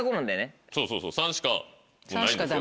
そうそうそう３しかもうないんですよ。